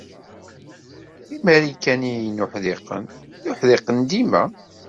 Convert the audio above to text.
Imarikaniyen uḥdiqen d uḥdiqen dima.